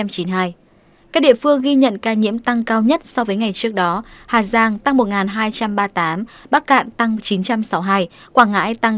các địa phương ghi nhận ca nhiễm tăng cao nhất so với ngày trước đó hà giang tăng một hai trăm ba mươi tám bắc cạn tăng chín trăm sáu mươi hai quảng ngãi tăng ba mươi